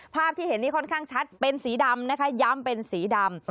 ภาพที่เห็นนี้ค่อนข้างชัดเป็นสีดำนะคะย้ำเป็นสีดำ